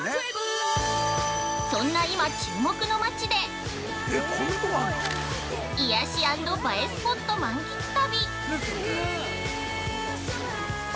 そんな今注目の町で癒やし＆映えスポット満喫旅！